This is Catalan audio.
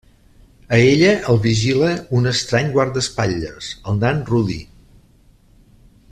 A ella el vigila un estrany guardaespatlles, el nan Rudi.